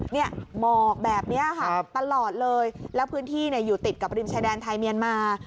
หมอกแบบนี้ค่ะตลอดเลยแล้วพื้นที่อยู่ติดกับริมชายแดนไทยเมียนมา